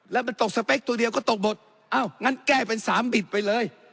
แล้วมันตกสเปคตัวเดียวก็ตกหมดอ้าวงั้นแก้เป็นสามบิดไปเลย